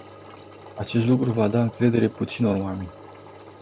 Acest lucru va da încredere puținor oameni.